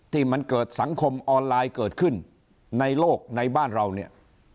ที่มันเกิดสังคมออนไลน์เกิดขึ้นในโลกในบ้านเราเนี่ย